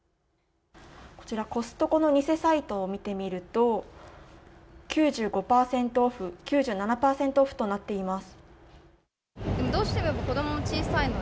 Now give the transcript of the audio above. こちらコストコの偽サイトを見てみると９５％オフ９７％オフとなっています。